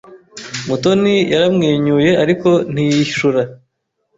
Mutoni yaramwenyuye, ariko ntiyishura.